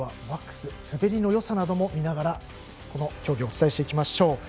ワックス滑りのよさなども見ながらこの競技をお伝えしましょう。